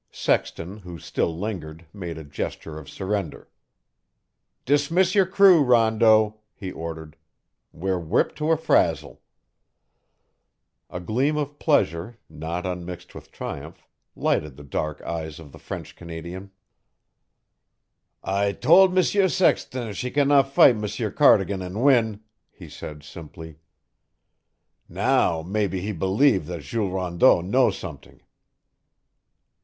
Sexton, who still lingered, made a gesture of surrender. "Dismiss your crew, Rondeau," he ordered. "We're whipped to a frazzle." A gleam of pleasure, not unmixed with triumph, lighted the dark eyes of the French Canadian. "I tol' M'sieur Sexton she cannot fight M'sieur Cardigan and win," he said simply, "Now mebbe he believe that Jules Rondeau know somet'ing."